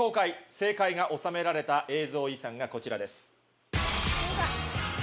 正解がおさめられた映像遺産がこちらです。